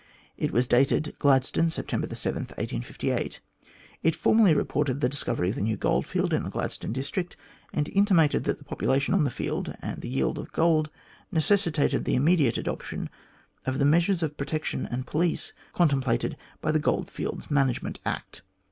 It was dated " Gladstone, September 7, 1858." It formally reported the discovery of the new gold field in the Gladstone district, and intimated that the population on the field, and the yield of gold, necessitated the immediate adoption of the measures of protection and police, contemplated by the Goldfields Management Act.